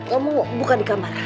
kamu buka di kamar